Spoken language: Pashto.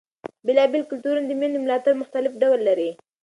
بېلابېل کلتورونه د مېندو ملاتړ مختلف ډول لري.